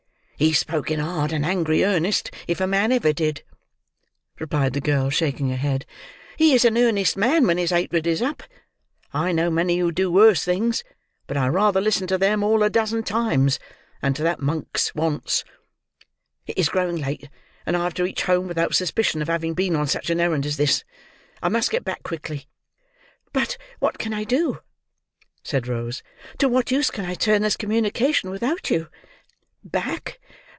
"He spoke in hard and angry earnest, if a man ever did," replied the girl, shaking her head. "He is an earnest man when his hatred is up. I know many who do worse things; but I'd rather listen to them all a dozen times, than to that Monks once. It is growing late, and I have to reach home without suspicion of having been on such an errand as this. I must get back quickly." "But what can I do?" said Rose. "To what use can I turn this communication without you? Back!